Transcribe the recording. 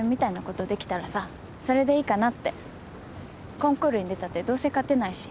コンクールに出たってどうせ勝てないし。